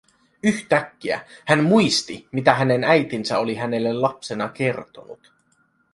Yhtäkkiä hän muisti, mitä hänen äitinsä oli hänelle lapsena kertonut.